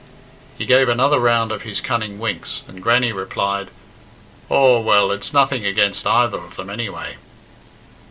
He gave another round of his cunning winks, and Grannie replied, "Aw, well, it's nothing against either of them anyway."